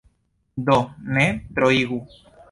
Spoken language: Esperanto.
Do, ne troigu.